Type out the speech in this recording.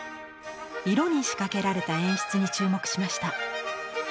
色に仕掛けられた演出に注目しました。